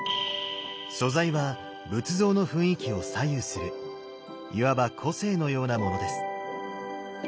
素材は仏像の雰囲気を左右するいわば個性のようなものです。